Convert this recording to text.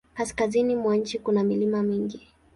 Kaskazini mwa nchi kuna milima mingi.